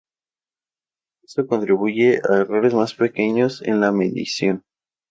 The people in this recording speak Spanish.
Esto contribuye a errores más pequeños en la medición.